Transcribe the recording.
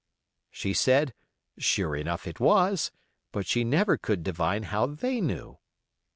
She said, sure enough it was, but she never could divine how they knew.